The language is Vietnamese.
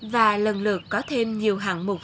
và lần lượt có thêm nhiều hạng mục